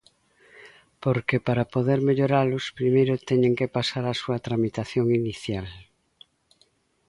Porque, para poder melloralos, primeiro teñen que pasar a súa tramitación inicial.